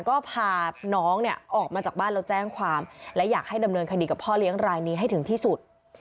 ก็พาน้องเนี่ยออกมาจากบ้านแล้วแจ้งความและอยากให้ดำเนินคดีกับพ่อเลี้ยงรายนี้ให้ถึงที่สุด